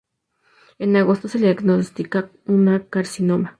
En agosto se le diagnostica un carcinoma.